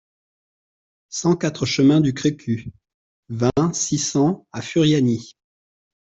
cent quatre chemin du Grecu, vingt, six cents à Furiani